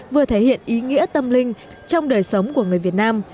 vừa thể hiện ý nghĩa tâm linh trong đời sống của người việt nam